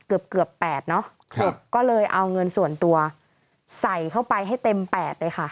เกือบเกือบ๘เนอะก็เลยเอาเงินส่วนตัวใส่เข้าไปให้เต็มแปดเลยค่ะ